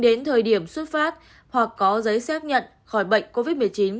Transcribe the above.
đến thời điểm xuất phát hoặc có giấy xác nhận khỏi bệnh covid một mươi chín